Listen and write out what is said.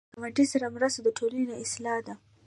د ګاونډي سره مرسته د ټولنې اصلاح ده